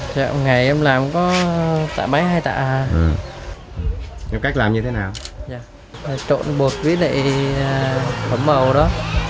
trộn bột với lại phẩm màu đó